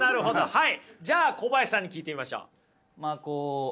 はい。